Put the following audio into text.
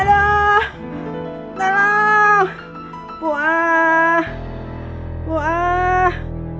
aduh tolong buah buah